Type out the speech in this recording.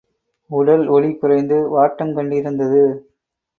உடல் ஒளிகுறைந்து வாட்டங் கண்டிருந்தது.